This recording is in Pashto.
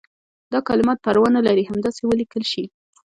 دا کلمات پروا نه لري همداسې ولیکل شي.